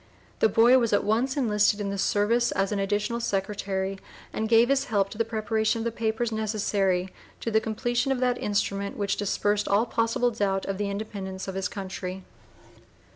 The boy "was at once enlisted in the service as an additional secretary, and gave his help to the preparation of the papers necessary to the completion of that instrument which dispersed all possible doubt of the Independence of his Country."